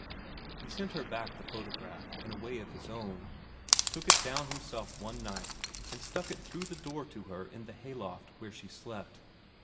He sent her back the photograph in a way of his own took it down himself one night and stuck it through the door to her in the hayloft, where she slept.